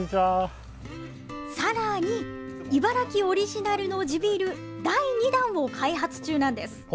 さらに、茨城オリジナルの地ビール第２弾を開発中なんです。